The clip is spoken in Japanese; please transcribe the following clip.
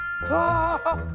ああ！